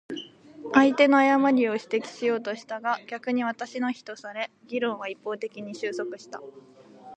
相手の誤りを指摘しようとしたが、逆に私の非とされ、議論は一方的に収束した。